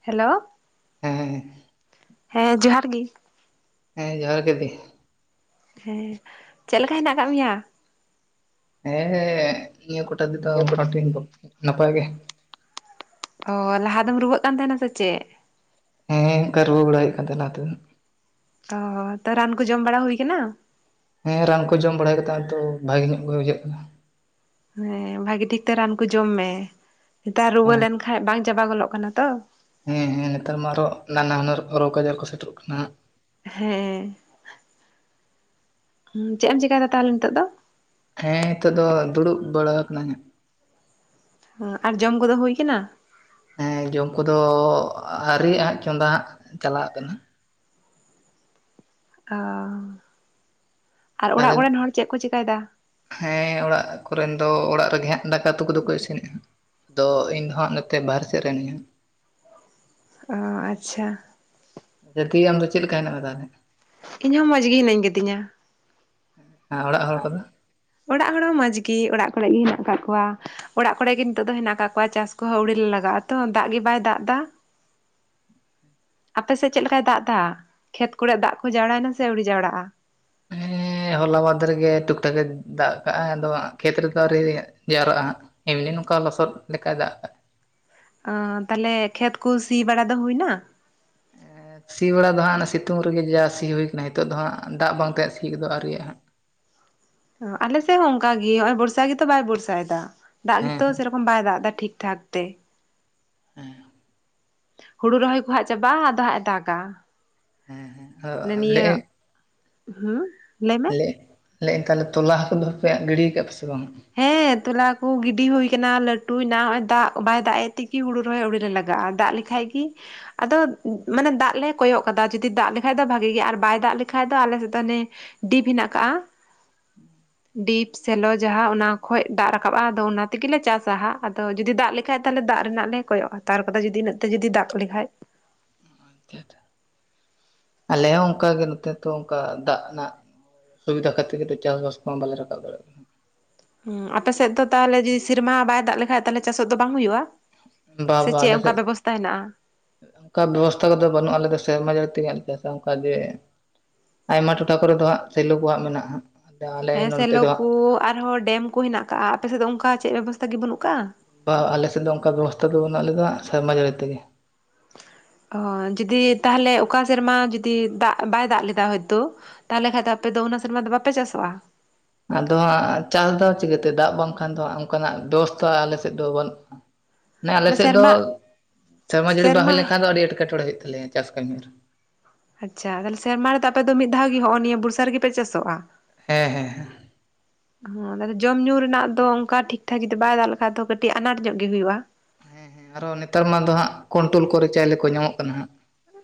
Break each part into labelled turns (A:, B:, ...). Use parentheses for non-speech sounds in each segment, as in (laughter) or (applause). A: Hello
B: ᱦᱮᱸ ᱦᱮᱸ
A: ᱦᱮᱸ ᱡᱚᱸᱦᱟᱨ ᱜᱮ
B: ᱦᱮᱸ ᱡᱚᱸᱦᱟᱨ ᱜᱮ ᱫᱤ
A: ᱦᱮᱸ ᱪᱮᱫ ᱞᱮᱠᱟ ᱦᱮᱱᱟᱜ ᱟᱠᱟᱫ ᱢᱮᱭᱟ
B: ᱦᱮᱸ ᱱᱤᱭᱟᱹ ᱠᱚᱴᱟ ᱫᱤᱱ ᱫᱚ ᱱᱟᱯᱟᱭ ᱜᱮ
A: ᱚ ᱞᱟᱦᱟ ᱫᱚᱢ ᱨᱩᱣᱟᱹᱜ ᱠᱟᱱ ᱛᱟᱦᱮᱱᱟ ᱥᱮ ᱪᱮᱫ?
B: ᱦᱮᱸ ᱚᱱᱠᱟ ᱨᱩᱣᱟᱹᱜ ᱵᱟᱲᱟ ᱦᱩᱭᱠᱟᱱ ᱛᱟᱦᱮᱱ ᱚᱱᱟ ᱠᱷᱟᱛᱤᱨ
A: ᱚ ᱛᱚ ᱨᱟᱱ ᱠᱚ ᱡᱚᱢ ᱵᱟᱲᱟ ᱦᱩᱭ ᱟᱠᱟᱱᱟ
B: ᱦᱮᱸ ᱨᱟᱱ ᱠᱚ ᱡᱚᱢ ᱵᱟᱲᱟᱭ ᱠᱟᱛᱮᱫ ᱛᱚ ᱵᱷᱟᱜᱮ ᱧᱚᱜ ᱜᱮ ᱵᱩᱡᱷᱟᱹᱜ ᱠᱟᱱᱟ
A: ᱦᱮᱸ ᱵᱷᱟᱜᱤ ᱴᱷᱤᱠ ᱛᱮ ᱨᱟᱱ ᱠᱚ ᱡᱚᱢ ᱢᱮ ᱱᱮᱛᱟᱨ ᱨᱩᱣᱟᱹ
B: ᱦᱮᱸ
A: ᱞᱮᱱᱠᱟᱱᱡ ᱵᱟᱝ ᱪᱟᱵᱟ ᱜᱚᱫᱚᱜ ᱠᱟᱱᱟ ᱛᱚ
B: ᱦᱮᱸ ᱦᱮᱸ ᱱᱮᱛᱟᱨ ᱢᱟ ᱦᱚᱸ ᱱᱟᱱᱟ ᱦᱩᱱᱟᱹᱨ ᱨᱳᱜᱽ ᱟᱡᱟᱨ ᱠᱚ ᱥᱮᱴᱮᱨᱚᱜ ᱠᱟᱱᱟ ᱦᱟᱜ
A: ᱦᱮᱸ ᱪᱮᱫ ᱮᱢ ᱪᱮᱠᱟᱭᱟ ᱫᱟ ᱛᱟᱦᱚᱞᱮ ᱱᱤᱛᱚᱜ ᱫᱚ
B: ᱦᱮᱸ ᱱᱤᱛᱚᱜ ᱫᱚ ᱫᱩᱲᱩᱵ ᱵᱟᱲᱟ ᱟᱠᱟᱱᱟᱹᱧ
A: ᱦᱟᱸᱜ ᱟᱨ ᱡᱚᱢ ᱠᱚᱫᱚ ᱦᱩᱭ ᱟᱠᱟᱱᱟ
B: ᱦᱮᱸ ᱡᱚᱢ ᱠᱚᱫᱚ ᱟᱣᱨᱤ ᱦᱟᱸᱜ ᱪᱚᱸᱫᱟ ᱦᱟᱸᱜ ᱪᱟᱞᱟᱜ ᱠᱟᱱᱟ
A: ᱚ ᱟᱨ ᱚᱲᱟᱜ
B: ᱛᱟᱦᱚᱞᱮ
A: ᱠᱚᱨᱮᱱ ᱦᱚᱲ ᱪᱮᱫ ᱠᱚ ᱪᱮᱤᱠᱟᱹᱭᱮᱫᱟ
B: ᱦᱮᱸ ᱚᱲᱟᱜ ᱠᱚᱨᱮᱱ ᱫᱚ ᱚᱲᱟᱜ ᱨᱮᱜᱮ ᱦᱟᱸᱜ ᱫᱟᱠᱟ ᱩᱛᱩ ᱠᱚᱫᱚ ᱠᱚ ᱤᱥᱤᱱᱮᱫᱼᱟ ᱫᱚ ᱤᱧ ᱦᱟᱸᱜ ᱱᱚᱛᱮ ᱵᱟᱨᱦᱮ ᱥᱮᱫ ᱨᱮ ᱢᱤᱱᱤᱧ-ᱟ
A: ᱟ ᱟᱪᱪᱷᱟ
B: (unintelligible) ᱟᱢ ᱫᱚ ᱪᱮᱫᱮ ᱞᱮᱠᱟ ᱦᱮᱱᱟ ᱢᱮ ᱛᱟᱦᱚᱞᱮ
A: ᱤᱧ ᱦᱚᱸ ᱢᱚᱸᱡᱽ ᱜᱮ ᱦᱤᱱᱟᱹᱧ ᱠᱟᱫᱤᱧᱟ
B: ᱦᱮᱸ ᱚᱲᱟᱜ ᱦᱚᱲ ᱠᱚᱫᱚ
A: ᱚᱲᱟᱜ ᱦᱚᱲ ᱦᱚᱸ ᱢᱚᱡᱽ ᱜᱮ ᱚᱲᱟᱜ ᱠᱚᱨᱮ ᱜᱮ ᱦᱮᱱᱟᱜ ᱟᱠᱟᱜ ᱠᱚᱣᱟ ᱚᱲᱟᱜ ᱠᱚᱨᱮ ᱜᱮ ᱱᱤᱛᱚᱜ ᱫᱚ ᱦᱮᱱᱟᱜ ᱠᱟᱜ ᱠᱚᱣᱟ ᱪᱟᱥ ᱠᱚᱦᱚᱸ ᱟᱹᱣᱲᱤ ᱞᱮ ᱞᱟᱜᱟᱜᱼᱟ ᱛᱚ ᱫᱟᱜ ᱜᱮ ᱵᱟᱭ ᱫᱟᱜ ᱮᱫᱟ ᱟᱯᱮᱥᱮᱫ ᱪᱮᱫ ᱞᱮᱠᱟᱭ ᱫᱟᱜ ᱮᱫᱟ ᱠᱷᱮᱛ ᱠᱚᱨᱮ ᱫᱟᱜ ᱠᱚ ᱡᱟᱣᱲᱟᱭᱮᱱᱟ ᱥᱮ ᱟᱹᱣᱲᱤ ᱡᱟᱣᱲᱟᱜᱼᱟ
B: ᱦᱮᱸ ᱦᱚᱞᱟ ᱢᱟᱫᱷᱮᱨ ᱜᱮ ᱴᱩᱠ ᱴᱟᱠ ᱫᱟᱜ ᱠᱟᱜ ᱟᱭ ᱟᱫᱚ ᱠᱷᱮᱛ ᱨᱮ ᱫᱚ ᱟᱣᱨᱤ ᱡᱟᱣᱨᱟᱜᱼᱟ ᱦᱟᱸ ᱮᱢᱱᱤ ᱱᱚᱝᱠᱟ ᱞᱚᱥᱚᱫ ᱞᱮᱠᱟ ᱫᱟᱜ ᱟᱠᱟᱫ
A: ᱛᱟᱦᱚᱞᱮ ᱠᱷᱮᱛ ᱠᱚ ᱥᱤ ᱵᱟᱲᱟ ᱫᱚ ᱦᱩᱭᱱᱟ
B: ᱥᱤ ᱵᱟᱲᱟ ᱫᱚ ᱦᱟᱸᱜ ᱚᱱᱟ ᱥᱤᱛᱩᱝ ᱨᱮᱜᱮ ᱡᱟ ᱥᱤ ᱦᱩᱭ ᱠᱟᱱᱟ ᱱᱤᱛᱚᱜ ᱫᱚ ᱦᱟᱸᱜ ᱫᱟᱜ ᱵᱟᱝ ᱛᱟᱦᱮᱸᱜ ᱥᱤ ᱜᱚᱜ ᱟᱹᱣᱨᱤ ᱨᱮᱭᱟᱜ-ᱟ
A: ᱟᱞᱮᱥᱮᱫ ᱦᱚᱸ ᱚᱱᱠᱟᱜ ᱜᱮ ᱱᱚᱜ ᱚᱭ ᱵᱚᱨᱥᱟ ᱜᱮᱛᱚ ᱵᱟᱭ ᱵᱚᱨᱥᱟᱭᱮᱫᱟ ᱫᱟᱜ
B: ᱦᱟᱸᱜ
A: ᱜᱮᱛᱚ
B: ᱦᱮᱸ
A: ᱥᱮ ᱨᱚᱠᱚᱢ (unintelligible) ᱛᱚᱠᱷᱚᱱ ᱵᱟᱭ ᱫᱟᱜ ᱮᱫᱟ ᱴᱷᱤᱠ ᱴᱷᱟᱠ ᱛᱮ
B: ᱦᱮᱸ
A: ᱦᱩᱲᱩ ᱨᱚᱦᱚᱭ ᱠᱚ ᱦᱟᱸᱜ ᱪᱟᱵᱟᱜᱼᱟ ᱟᱫᱚ ᱦᱟᱸᱜ ᱮ ᱫᱟᱜᱟ
B: ᱦᱮᱸ ᱦᱮᱸ
A: (unintelligible) ᱱᱤᱭᱟᱹ ᱦᱮᱸ
B: (unintelligible) ᱞᱮ ᱛᱟᱦᱚᱞᱮ ᱛᱚᱞᱟ ᱦᱟᱹᱠᱩ ᱫᱚᱯᱮ ᱜᱤᱰᱤ ᱟᱠᱟᱫ ᱯᱮ ᱥᱮ ᱵᱟᱝ
A: ᱦᱮᱸ ᱛᱚᱞᱟ ᱠᱚ ᱜᱤᱰᱤ ᱦᱩᱭ ᱟᱠᱟᱱᱟ ᱞᱟᱹᱴᱩᱭᱮ ᱱᱟ ᱱᱚ ᱚᱭ ᱫᱟᱜ ᱵᱟᱭ ᱫᱟᱜ ᱮᱫ ᱛᱮᱠᱤ ᱦᱩᱲᱩ ᱨᱚᱦᱚᱭ ᱟᱣᱲᱤᱨ ᱨᱮ ᱞᱟᱜᱟᱜᱼᱟ ᱫᱟᱜ ᱞᱮ- ᱠᱷᱟᱭᱠᱤ ᱟᱫᱚ ᱢᱟᱱᱮ ᱫᱟᱜ ᱞᱮ ᱠᱚᱭᱚᱜ ᱠᱟᱫᱟ ᱡᱩᱫᱤ ᱫᱟᱜ ᱞᱮᱠᱟᱱ ᱫᱚ ᱵᱷᱟᱜᱮ ᱜᱮᱭᱟ ᱟᱨ ᱵᱟᱭ ᱫᱟᱜ ᱞᱮᱠᱷᱟᱡ ᱫᱚ ᱟᱞᱮ ᱥᱮᱫ ᱫᱚ ᱱᱮ ᱰᱤᱯ ᱦᱮᱱᱟᱜ ᱟᱠᱟᱜᱼᱟ ᱰᱤᱯ ᱥᱮᱞᱚ ᱡᱟᱦᱟᱸ ᱚᱱᱟ ᱠᱷᱚᱡ ᱫᱟᱜ ᱨᱟᱠᱟᱵᱼᱟ ᱟᱫᱚ ᱚᱱᱟ ᱛᱮᱜᱮ ᱪᱟᱥᱟ ᱦᱟᱜ ᱟᱫᱚ ᱡᱩᱫᱤ ᱫᱟᱜ ᱞᱮᱠᱷᱟᱡ ᱛᱟᱦᱚᱞᱮ ᱫᱟᱜ ᱨᱮᱱᱟᱜ ᱞᱮ ᱠᱚᱭᱚᱜᱼᱟ᱾ ᱛᱟᱨᱠᱚᱛᱮ ᱡᱩᱫᱤ ᱱᱥᱜ ᱛᱮ ᱡᱩᱫᱤ ᱫᱟᱜ ᱞᱮᱠᱷᱟᱱ
B: ᱟᱞᱮ ᱦᱚᱸ ᱚᱱᱠᱟᱜᱮ ᱱᱚᱛᱮ ᱛᱚ ᱚᱱᱠᱟ ᱫᱟᱜ ᱨᱮᱱᱟᱜ ᱥᱩᱵᱤᱫᱟ ᱠᱷᱟᱹᱛᱤᱨ ᱜᱮᱚ ᱪᱟᱥᱵᱟᱥ ᱠᱚᱢᱟ ᱵᱟᱞᱮ ᱨᱟᱠᱟᱵ ᱫᱟᱲᱮᱭᱟᱜᱼᱟ
A: ᱦᱩᱸ ᱟᱯᱮᱥᱮᱫ ᱫᱚ ᱛᱟᱦᱚᱞᱮ ᱡᱚᱫᱤ ᱥᱮᱨᱢᱟ ᱵᱟᱭ ᱫᱟᱜ ᱞᱮᱠᱷᱟᱡ ᱛᱟᱦᱚᱞᱮ ᱪᱟᱥᱚᱜ ᱫᱚ ᱵᱟᱝ ᱦᱩᱭᱩᱜᱼᱟ
B: ᱫᱟᱜ
A: ᱥᱮ
B: ᱫᱚ
A: ᱪᱮᱫ ᱚᱱᱠᱟ
B: ᱟᱞᱮᱥᱮᱫ
A: ᱵᱮᱵᱚᱥᱛᱟ ᱦᱮᱱᱟᱜᱼᱟ
B: ᱚᱱᱠᱟ ᱵᱮᱵᱚᱥᱛᱷᱟ ᱠᱚᱫᱚ ᱵᱟᱹᱱᱩᱜ ᱟᱞᱮ ᱫᱚ ᱥᱮᱨᱢᱟ ᱡᱟᱹᱲᱤ ᱛᱮᱜᱮ (unintelligible) ᱞᱮᱞᱤ ᱪᱟᱥᱟ ᱚᱱᱠᱟ ᱡᱮ ᱟᱭᱢᱟ ᱴᱚᱴᱷᱟ ᱠᱚᱨᱮ ᱫᱚ ᱦᱟᱸᱜ ᱥᱮᱞᱳ ᱠᱳ ᱦᱟᱸ ᱢᱮᱱᱟᱜᱼᱟ ᱟᱫᱚ ᱟᱞᱮ
A: ᱦᱮᱸ
B: ᱱᱚᱱᱛᱮ
A: ᱥᱮᱞᱚ
B: ᱫᱚ ᱦᱟᱸᱜ
A: ᱠᱚ ᱟᱨᱦᱚᱸ ᱰᱮᱢ ᱠᱚ ᱦᱮᱱᱟᱜ ᱟᱠᱟᱜᱼᱟ ᱟᱯᱮᱥᱮᱫ ᱫᱚ ᱚᱱᱠᱟ ᱪᱮᱫ ᱵᱮᱵᱚᱥᱛᱟ ᱜᱮ ᱵᱟᱹᱱᱩᱜ ᱟᱠᱟᱜᱼᱟ
B: ᱵᱟ ᱟᱞᱮᱥᱮᱫ ᱫᱚ ᱚᱱᱠᱟ ᱵᱮᱵᱚᱥᱛᱷᱟ ᱫᱚ ᱵᱟᱹᱱ ᱞᱮᱫᱟ ᱥᱮᱨᱢᱟ ᱡᱟᱹᱲᱤ ᱛᱮᱜᱮ᱾
A: ᱚ ᱡᱩᱫᱤ ᱛᱟᱦᱚᱞᱮ ᱚᱠᱟ ᱥᱮᱨᱢᱟ ᱡᱩᱫᱤ ᱫᱟᱜ ᱵᱟᱭ ᱫᱟᱜ ᱞᱮᱫᱟ ᱦᱚᱳᱭᱛᱳ ᱛᱟᱦᱚᱞᱮ ᱠᱷᱟᱱᱡ ᱫᱚ ᱟᱯᱮ ᱫᱚ ᱚᱱᱟ ᱥᱮᱨᱢᱟ ᱫᱚ ᱵᱟᱯᱮ ᱪᱟᱥᱚᱜᱼᱟ᱾
B: ᱟᱫᱚ ᱦᱟᱸᱜ ᱪᱟᱥ ᱫᱚ ᱪᱤᱠᱟᱹᱛᱮ ᱫᱟᱜ ᱵᱟᱝᱠᱷᱟᱱ ᱫᱚ ᱚᱱᱠᱟᱱᱟᱜ ᱵᱮᱵᱚᱥᱛᱷᱟ ᱟᱞᱮᱥᱮᱫ ᱫᱚ ᱵᱟᱱᱩ-ᱟ᱾
A: (inaudible)
B: ᱢᱟᱱᱮ ᱟᱞᱮᱮᱥᱮᱫ ᱫᱚ
A: ᱥᱮᱨᱢᱟ
B: ᱥᱮᱨᱢᱟ ᱡᱟᱹᱲᱤ ᱵᱟᱝ ᱦᱩᱭ ᱞᱮᱱᱠᱷᱟᱱ ᱫᱚ ᱟᱹᱰᱤ ᱮᱴᱠᱮᱴᱚᱬᱮ ᱦᱩᱭᱩᱜ ᱛᱟᱞᱮᱭᱟ ᱪᱟᱥ ᱠᱟᱹᱢᱤ ᱨᱮ᱾
A: ᱟᱪᱪᱷᱟ ᱛᱟᱦᱞᱮ ᱥᱮᱨᱢᱟ ᱨᱮᱫᱚ ᱟᱯᱮ ᱫᱚ ᱢᱤᱫ ᱫᱷᱟᱣ ᱜᱮ ᱱᱚᱜ ᱱᱤᱭᱟᱹ ᱵᱥ ᱨᱮᱜᱮᱯᱮ ᱪᱟᱥᱚᱜᱼᱟ?
B: ᱦᱮᱸ ᱦᱮᱸ ᱦᱮᱸ᱾
A: (inaudible) ᱦᱮᱸ ᱡᱚᱢ ᱧᱩ ᱨᱮᱱᱟᱜ ᱫᱚ ᱚᱱᱠᱟ ᱴᱷᱤᱠ ᱴᱷᱟᱠ ᱡᱚᱫᱤ ᱵᱟᱭ ᱫᱟᱜ ᱞᱮᱠᱷᱟᱡ ᱫᱚ ᱠᱟᱹᱴᱤᱡ ᱟᱱᱟᱴ ᱧᱚᱜ ᱜᱮ ᱦᱩᱭᱩᱜᱼᱟ᱾
B: ᱦᱮᱸ ᱦᱮᱸ ᱟᱨᱚ ᱱᱮᱛᱟᱨ ᱢᱟ ᱫᱚ ᱦᱟᱸᱜ ᱠᱚᱱᱴᱨᱳᱞ ᱠᱚᱨᱮ ᱪᱟᱭᱮ ᱠᱚ ᱧᱟᱢᱚᱜ ᱠᱟᱱᱟ ᱦᱟᱸᱜ᱾